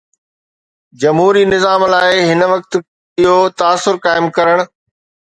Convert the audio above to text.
جمهوري نظام لاءِ هن وقت کان اهو تاثر قائم ڪرڻ